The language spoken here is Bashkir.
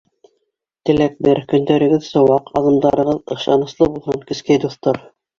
Теләк бер: көндәрегеҙ сыуаҡ, аҙымдарығыҙ ышаныслы булһын, кескәй дуҫтар!